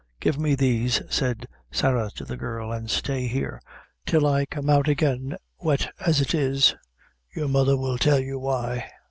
"Give me these," said Sarah to the girl, "and stay here till I come out again, wet as it is. Your mother will tell you why."